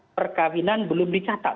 perkawinan belum dicatat